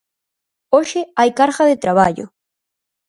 Hoxe hai carga de traballo.